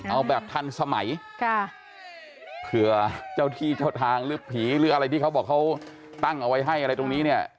เอาแบบทันสมัยค่ะเผื่อเจ้าที่เจ้าทางหรือผีหรืออะไรที่เขาบอกเขาตั้งเอาไว้ให้อะไรตรงนี้เนี่ย